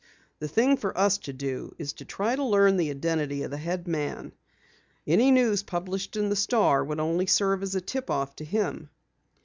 The thing for us to do is to try to learn the identity of the head man. Any news published in the Star would only serve as a tip off to him."